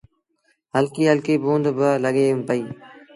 هلڪيٚ هلڪي بوند با لڳي پئيٚ